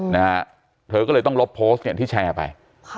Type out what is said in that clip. นะฮะเธอก็เลยต้องลบโพสต์เนี่ยที่แชร์ไปค่ะ